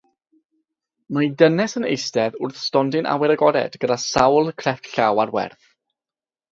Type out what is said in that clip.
Mae dynes yn eistedd wrth stondin awyr agored gyda sawl crefft llaw ar werth.